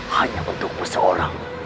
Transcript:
hanya untuk seorang